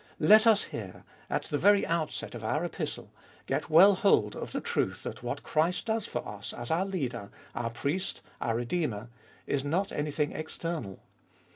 Let us here, at the very outset of our Epistle, get well hold of the truth that what Christ does for as our Leader, our Priest, our Redeemer, is not anything external.